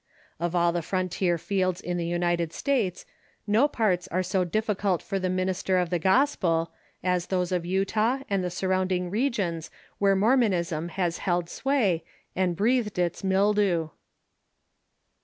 Of all the frontier fields in the United States, no parts are so difficult for the minister of the gospel as those of Utah and the surrounding regions where Mormonism has held sway and breathed its mildew.